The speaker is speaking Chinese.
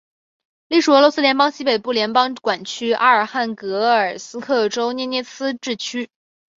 隶属俄罗斯联邦西北部联邦管区阿尔汉格尔斯克州涅涅茨自治区。